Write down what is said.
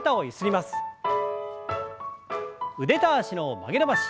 腕と脚の曲げ伸ばし。